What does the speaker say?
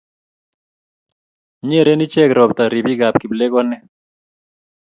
nyeren icheke robta ribikab kiplekonik